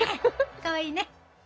かわいいね。